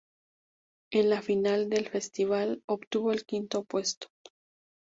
En la final del festival, obtuvo el quinto puesto.